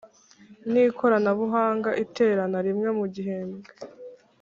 n Ikoranabuhanga iterana rimwe mu gihembwe